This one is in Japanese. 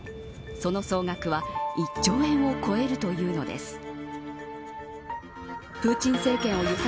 その総額は１兆円を超えるというのです。